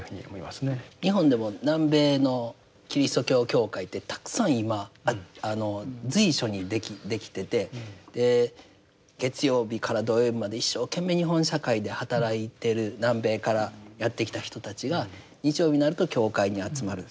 日本でも南米のキリスト教教会ってたくさん今随所にできてて月曜日から土曜日まで一生懸命日本社会で働いている南米からやって来た人たちが日曜日になると教会に集まる。